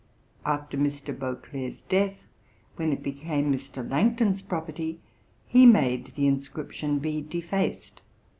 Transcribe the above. After Mr. Beauclerk's death, when it became Mr. Langton's property, he made the inscription be defaced.